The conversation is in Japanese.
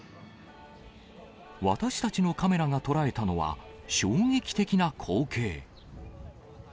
私たちのカメラが捉えたのは、衝撃的な光景。